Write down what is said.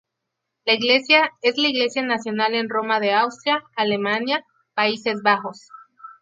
La iglesia es la iglesia nacional en Roma de Austria, Alemania, Países Bajos.